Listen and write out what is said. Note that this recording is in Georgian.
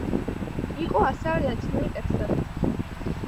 იყო ასევე ლათინური ტექსტებიც.